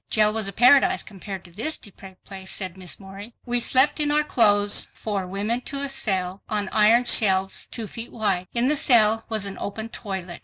"Jail was a Paradise compared to this depraved place," said Miss Morey. "We slept in our clothes, four women to a cell, on iron shelves two feet wide. In the cell was an open toilet.